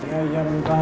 ya ya bentar yuk